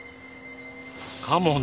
かもな！